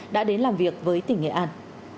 đã đến làm việc với tỉnh nghệ an